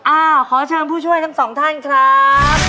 อ่าขอเชิญผู้ช่วยทั้งสองท่านครับ